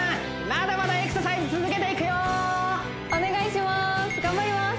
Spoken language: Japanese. まだまだエクササイズ続けていくよお願いします